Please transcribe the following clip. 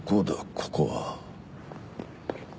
ここは。